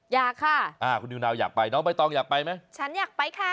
อยากค่ะอ่าคุณนิวนาวอยากไปน้องใบตองอยากไปไหมฉันอยากไปค่ะ